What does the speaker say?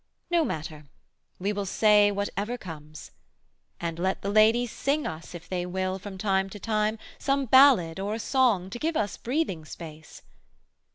No matter: we will say whatever comes. And let the ladies sing us, if they will, From time to time, some ballad or a song To give us breathing space.'